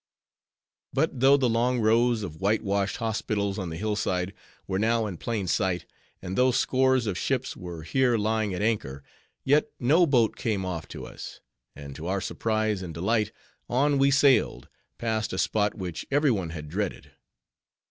But though the long rows of white washed hospitals on the hill side were now in plain sight, and though scores of ships were here lying at anchor, yet no boat came off to us; and to our surprise and delight, on we sailed, past a spot which every one had dreaded.